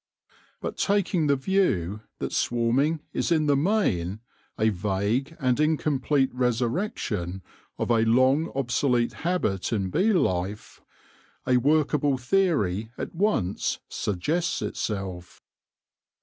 But taking the view that swarming is in the main a vague and incomplete resurrection of a long obsolete habit in bee life, a workable theory at once suggests itself.